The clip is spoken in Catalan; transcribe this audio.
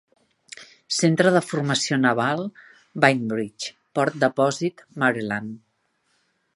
Centre de Formació Naval Bainbridge, Port Deposit, Maryland.